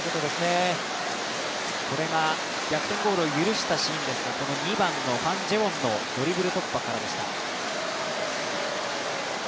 これが逆転ゴールのシーンですがこの２番のファン・ジェウォンのドリブル突破からでした。